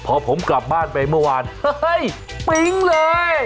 พอผมกลับบ้านไปเมื่อวานเฮ้ยปิ๊งเลย